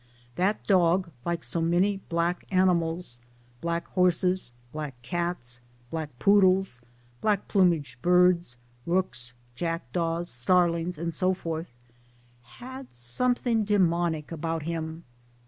That dog like so many black animals, black horses, black cats, black poodles, black plumaged birds, rooks, jackdaws, star lings, and so forth had something demonic about him.